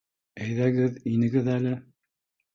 — Әйҙәгеҙ, инегеҙ әле